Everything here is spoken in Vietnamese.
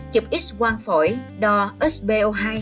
chụp x quang phổi đo sbo hai